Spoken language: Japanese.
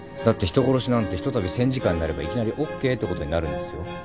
だって人殺しなんてひとたび戦時下になればいきなりＯＫってことになるんですよ。